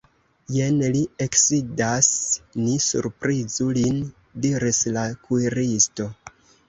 Jen li eksidas, ni surprizu lin, diris la kuiristo.